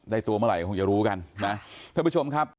ตัวเมื่อไหร่คงจะรู้กันนะท่านผู้ชมครับ